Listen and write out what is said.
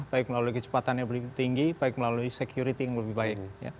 baik melalui kecepatan yang lebih tinggi baik melalui security yang lebih baik